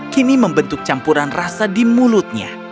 kini membentuk campuran rasa di mulutnya